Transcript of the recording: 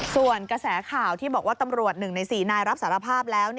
ส่วนกระแสข่าวที่บอกว่าตำรวจ๑ใน๔นายรับสารภาพแล้ว